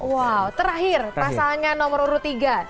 wow terakhir pasangan nomor urut tiga